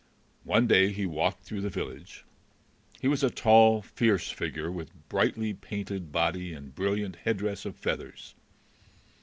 One day he walked through the village. He was a tall fierce figure with brightly painted body and brilliant headdress of feathers.